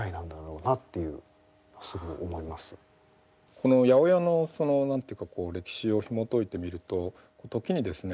この８０８のその何ていうかこう歴史をひもといてみると時にですね